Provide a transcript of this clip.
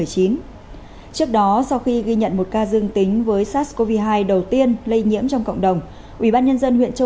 trước đó sau khi ghi nhận một ca dương tính với sars cov hai đầu tiên lây nhiễm trong cộng đồng